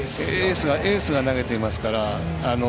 エースが投げていますから。